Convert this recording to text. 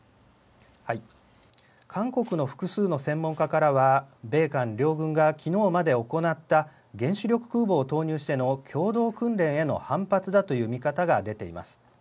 韓国の複数の専門家からは米韓両軍がきのうまで行った原子力空母を投入しての共同訓練への反発だという見方が出ています。